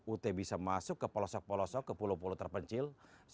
ut bisa masuk ke pelosok pelosok ke pulau pulau terpencil